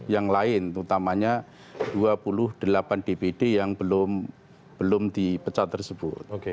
yang lain utamanya dua puluh delapan dpd yang belum dipecat tersebut